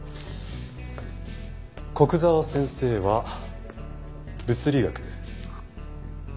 古久沢先生は物理学。